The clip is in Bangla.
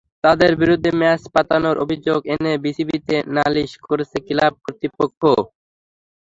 তাঁদের বিরুদ্ধে ম্যাচ পাতানোর অভিযোগ এনে বিসিবিতে নালিশ করেছে ক্লাব কর্তৃপক্ষ।